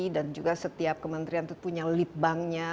juga setiap kementerian itu punya lead banknya